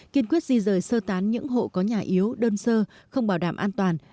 kiên quyết di rời sơ tán những hộ có nhà yếu đơn sơ không bảo đảm an toàn